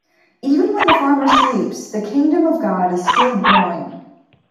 Even when the farmer sleeps, the Kingdom of God is still growing.